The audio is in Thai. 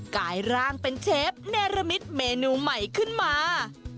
กายร่างเป็นเชฟเนรมิตเมนูใหม่ขึ้นมา